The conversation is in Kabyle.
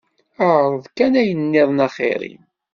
Ԑreḍ kan ayen nniḍen axir-im.